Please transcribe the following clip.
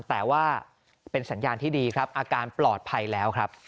แต่ว่าเป็นสัญญาณที่ดีครับอาการปลอดภัยแล้วครับ